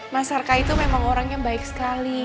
mas arka itu memang orang yang baik sekali